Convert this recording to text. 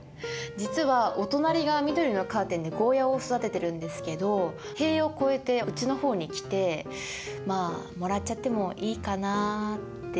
実はお隣が緑のカーテンでゴーヤを育ててるんですけど塀を越えてうちの方に来てまあもらっちゃってもいいかなって。